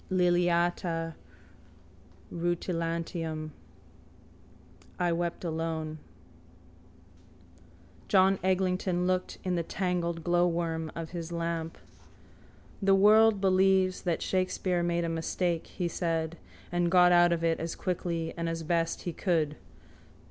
Liliata rutilantium. I wept alone. John Eglinton looked in the tangled glowworm of his lamp. —The world believes that Shakespeare made a mistake, he said, and got out of it as quickly and as best he could.